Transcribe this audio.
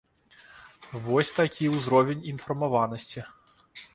Вось такі ўзровень інфармаванасці!